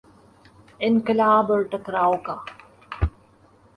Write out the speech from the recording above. انقلاب اور ٹکراؤ کا۔